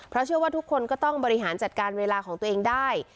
เพราะเชื่อว่าทุกคนก็ต้องบริหารจัดการเวลาของตัวเองได้